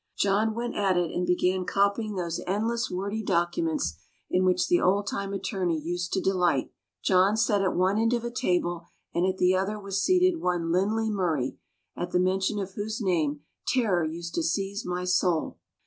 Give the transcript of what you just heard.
John went at it and began copying those endless, wordy documents in which the old time attorney used to delight. John sat at one end of a table, and at the other was seated one Lindley Murray, at the mention of whose name terror used to seize my soul.